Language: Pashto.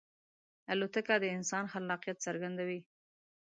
الوتکه د انسان خلاقیت څرګندوي.